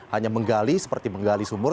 hanya menggali seperti menggali sumur